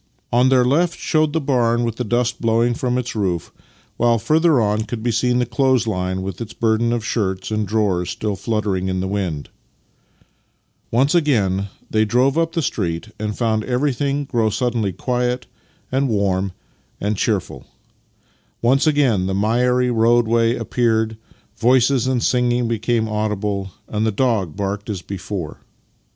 On their left showed the 22 Master and Man barn with the snow dust blowing from its roof, while further on could be seen the clothes line, with its burden of shirts and drawers still fluttering in the wind. Once again they drove up the street and found ever3'thing grow suddenly quiet and warm and cheerful. Once again the miry roadway appeared, voices and singing became audible, and the dog barked as before.